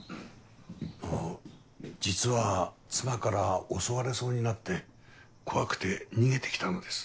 あの実は妻から襲われそうになって怖くて逃げて来たのです。